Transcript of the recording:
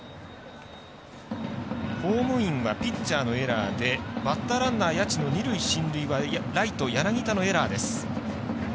ホームインはピッチャーのエラーでバッターランナー、谷内の二塁進塁はライト、柳田のエラーです。